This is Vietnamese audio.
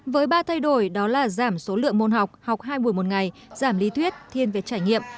với ba thay đổi đó là giảm số lượng môn học học hai buổi một ngày giảm lý thuyết thiên về trải nghiệm